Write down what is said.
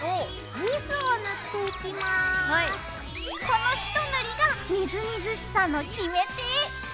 このひと塗りがみずみずしさの決め手。